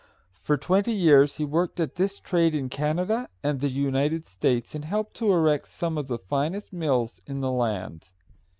For twenty years he worked at this trade in Canada and the United States, and helped to erect some of the finest mills in the land.